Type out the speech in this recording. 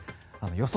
予想